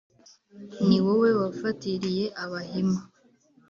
Ni wowe wafatiriye Abahima?"